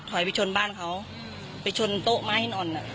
ไปชนบ้านเขาไปชนโต๊ะม้าให้นอนอ่ะ